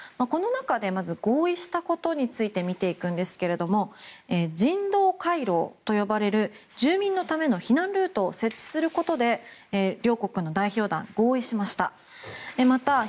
この中で合意したことについて見ていくんですが人道回廊と呼ばれる住民のための避難ルートを設置することで両国の代表団は合意しました。